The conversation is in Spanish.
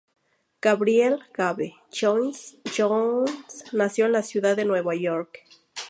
Gabriel "Gabe" Jones nació en la ciudad de Nueva York.